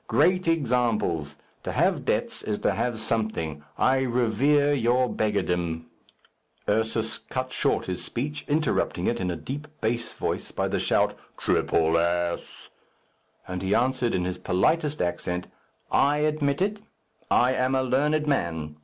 Great examples. To have debts is to have something. I revere your beggardom." Ursus cut short his speech, interrupting it in a deep bass voice by the shout, "Triple ass!" And he answered in his politest accent, "I admit it. I am a learned man.